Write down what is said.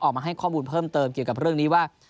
ออกมาให้ข้อมูลเพิ่มเติมเกี่ยวกับเรื่องนี้ว่า